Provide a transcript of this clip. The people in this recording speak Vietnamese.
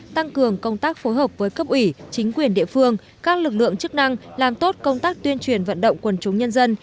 tăng cường công tác phối hợp với cấp ủy chính quyền địa phương các lực lượng chức năng làm tốt công tác tuyên truyền vận động quần chúng nhân dân